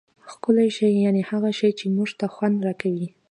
ښکلی شي یعني هغه شي، چي موږ ته خوند راکوي.